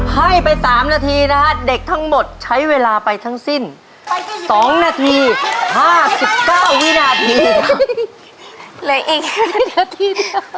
ให้ไป๓นาทีนะครับเด็กทั้งหมดใช้เวลาไปทั้งสิ้น๒นาที๕๙วินาที